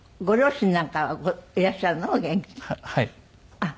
ご両親なんかはいらっしゃるの？